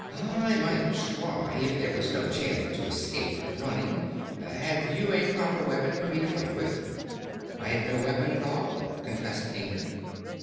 "I might try, if there was no chance to escape by running. Have you a proper weapon for me to fight with?" "I have no weapon at all," confessed Inga.